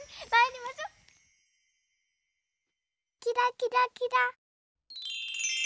キラキラキラ。